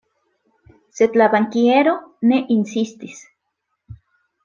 Sed la bankiero ne insistis.